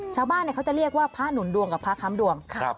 ชาวบ้านเขาจะเรียกว่าพระหนุนดวงกับพระค้ำดวง